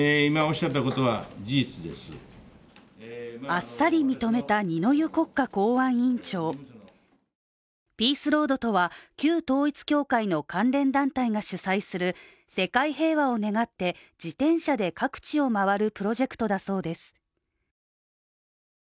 あっさり認めた二之湯国家公安委員長ピースロードとは、旧統一教会の関連団体が主催する世界平和を願って自転車で各地を回るプロジェクトだそうです。